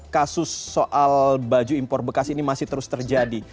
kasus soal baju impor bekas ini masih terus terjadi